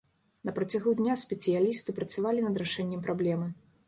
На працягу дня спецыялісты працавалі над рашэннем праблемы.